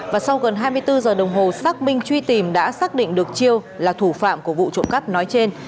và sau gần hai mươi bốn giờ đồng hồ xác minh truy tìm đã xác định được chiêu là thủ phạm của vụ trộm cắp nói trên